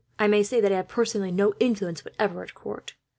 I may say that I have, personally, no influence whatever at court.